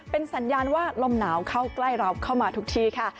เป็นสัญญาณว่าลมหนาวเข้าใกล้เราเข้ามาทุกที่ค่ะ